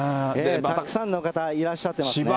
たくさんの方、いらっしゃってますね。